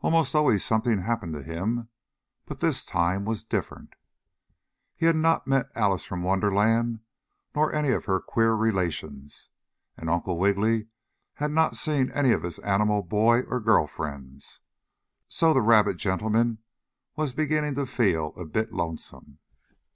Almost always something happened to him, but this time was different. He had not met Alice from Wonderland, nor any of her queer relations, and Uncle Wiggily had not seen any of his animal boy or girl friends, so the rabbit gentleman was beginning to feel a bit lonesome.